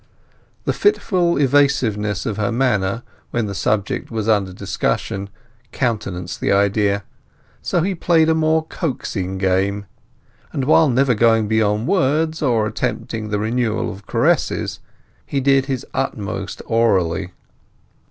The fitful evasiveness of her manner when the subject was under discussion countenanced the idea. So he played a more coaxing game; and while never going beyond words, or attempting the renewal of caresses, he did his utmost orally.